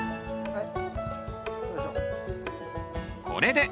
はい。